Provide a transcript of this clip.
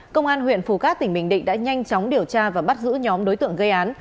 công an huyện phù cát tỉnh bình định đã nhanh chóng điều tra và bắt giữ nhóm đối tượng gây án